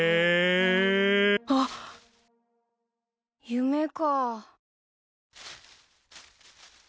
あっ夢か。